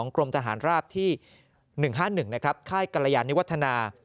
กรมทหารราบที่๑๕๑ข้ายกรยานิวัฒนา